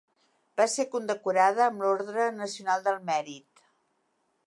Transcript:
Va ser condecorada amb l'Ordre Nacional del Mèrit.